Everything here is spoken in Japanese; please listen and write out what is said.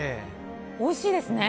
おいしいですね。